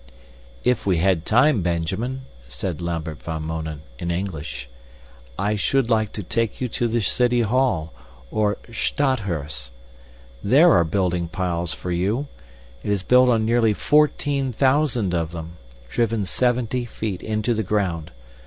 "If we had time, Benjamin," said Lambert van Mounen in English, "I should like to take you to the City Hall, or Stadhuis. There are building piles for you! It is built on nearly fourteen thousand of them, driven seventy feet into the ground.